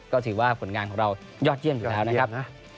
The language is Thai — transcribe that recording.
ก็ถือว่าผลงานของเรายอดเยี่ยมอยู่แล้วนะครับ